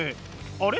あれ？